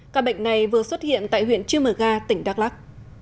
các bệnh này vừa xuất hiện tại huyện chư mờ ga tỉnh đắk lắc